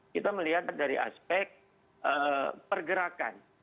kita melihat dari aspek pergerakan